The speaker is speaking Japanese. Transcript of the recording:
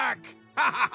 ハハハ！